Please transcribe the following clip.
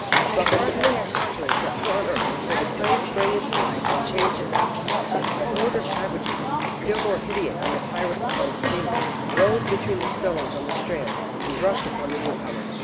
But hardly had Tartarin set foot on earth before the quay sprang into life and changed its aspect. A horde of savages, still more hideous than the pirates upon the steamer, rose between the stones on the strand and rushed upon the new comer.